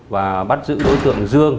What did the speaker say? và bắt giữ đối tượng dương